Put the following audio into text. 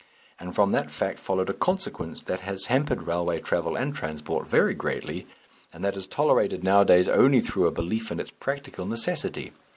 And from that fact followed a consequence that has hampered railway travel and transport very greatly, and that is tolerated nowadays only through a belief in its practical necessity.